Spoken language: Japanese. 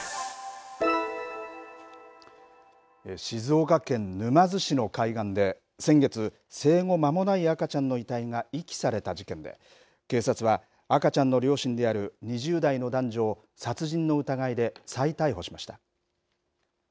静岡県沼津市の海岸で先月、生後間もない赤ちゃんの遺体が遺棄された事件で警察は赤ちゃんの両親である２０代の男女を殺人の疑いで再逮捕しました。